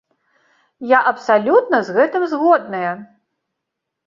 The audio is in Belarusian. Я абсалютна з гэтым згодная.